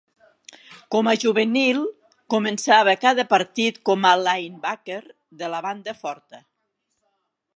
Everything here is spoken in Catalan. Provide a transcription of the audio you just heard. Com a juvenil, començava cada partit com a linebacker de la banda forta.